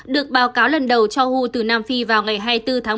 được báo cáo lần đầu cho who từ nam phi vào ngày hai mươi bốn tháng một mươi một